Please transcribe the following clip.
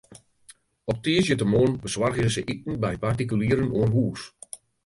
Op tiisdeitemoarn besoargje se iten by partikulieren oan hûs.